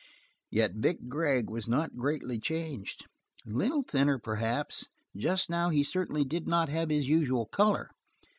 Yet Vic Gregg was not greatly changed a little thinner perhaps, and just now he certainly did not have his usual color.